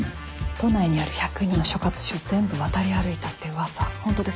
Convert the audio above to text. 都内にある１０２の所轄署全部渡り歩いたって噂本当ですか？